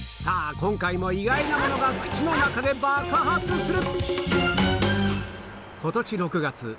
今回も意外なものが口の中で爆発する！